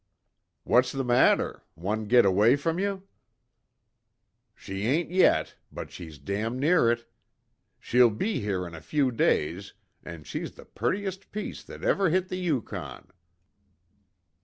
"What's the matter? One git away from you?" "She ain't yet, but she's damn near it. She'll be here in a few days, an' she's the purtiest piece that ever hit the Yukon."